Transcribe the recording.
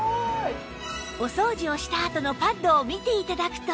お掃除をしたあとのパッドを見て頂くと